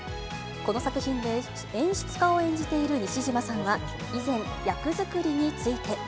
この作品で演出家を演じている西島さんは以前、役作りについて。